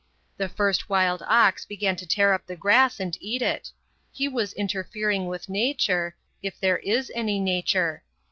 The first wild ox began to tear up the grass and eat it; he was interfering with nature, if there is any nature.